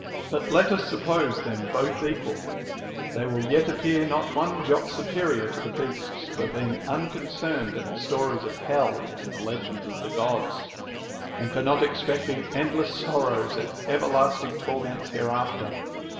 But let us suppose them both equal ; they will yet ap pear not one jot superior to the beasts for being uncon cerned at the stories of hell and the legends of the Gods, and for not expecting endless sorrows and everlasting tor ments hereafter.